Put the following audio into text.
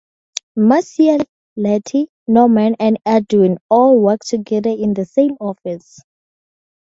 Marcia, Letty, Norman and Edwin all work together in the same office.